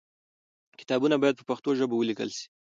کتابونه باید په پښتو ژبه ولیکل سي.